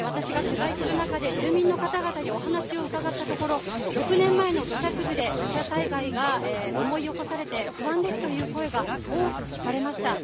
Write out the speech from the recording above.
私が取材する中で住民の方々にお話を伺ったところ、６年前の土砂崩れ、土砂災害が思い起こされて不安ですという声が多く聞かれました。